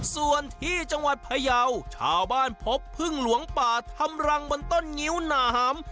ส่วนที่จังหวัดพยาวชาวบ้านพบพึ่งหลวงป่าทำรังบนต้นงิ้วหนาหาม